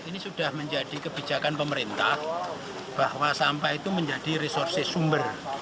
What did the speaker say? ini sudah menjadi kebijakan pemerintah bahwa sampah itu menjadi resources sumber